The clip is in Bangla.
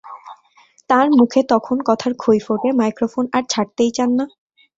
তাঁর মুখে তখন কথার খই ফোটে, মাইক্রোফোন আর ছাড়তেই চান না।